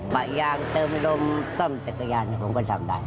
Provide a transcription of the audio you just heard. ปะยางเติมลมซ่อมจักรยานผมก็ทำได้